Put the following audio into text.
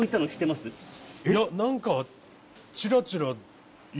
いや何か。